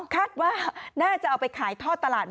คาดว่าน่าจะเอาไปขายท่อตลาด